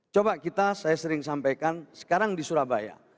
coba kita saya sering sampaikan sekarang di surabaya